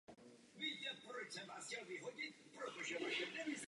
Nabídku na pokračování nedostal a v červenci se stal volným hráčem.